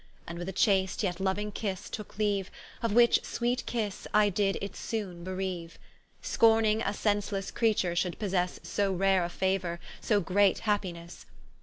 And with a chaste, yet louing kisse tooke leaue, Of which sweet kisse I did it soone bereaue: Scorning a sencelesse creature should possesse So rare a fauour, so great happinesse.